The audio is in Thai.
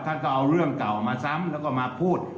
ท่านก็เอาเรื่องเก่ามาซ้ำแล้วก็มาพูด